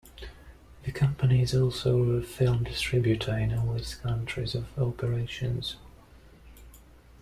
The Company is also a film distributor in all its countries of operations.